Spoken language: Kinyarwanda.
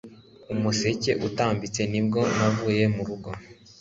Umuseke utambitse nibwo navuye m' urugo